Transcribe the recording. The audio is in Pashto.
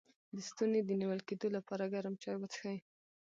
د ستوني د نیول کیدو لپاره ګرم چای وڅښئ